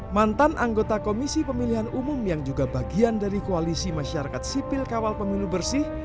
mantan anggota komisi pemilihan umum yang juga bagian dari koalisi masyarakat sipil kawal pemilu bersih